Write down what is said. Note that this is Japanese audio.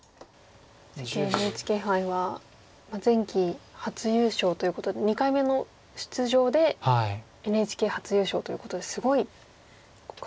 関ＮＨＫ杯は前期初優勝ということで２回目の出場でＮＨＫ初優勝ということですごいことですよね。